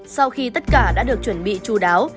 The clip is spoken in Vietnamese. sau khi tất cả đã được chuẩn bị chú đáo